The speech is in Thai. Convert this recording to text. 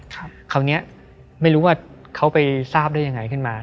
คราวนี้ไม่รู้ว่าเขาไปทราบได้ยังไงขึ้นมา